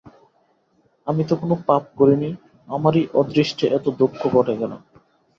আমি তো কোনো পাপ করি নি, আমারই অদৃষ্টে এত দুঃখ ঘটে কেন।